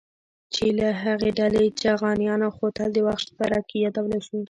چې له هغې ډلې چغانيان او خوتل د وخش دره کې يادولی شو.